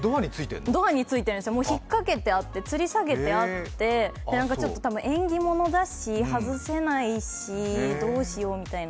ドアについてるんです、引っかけてあって、つり下げてあって、縁起物だし外せないし、どうしようみたいな。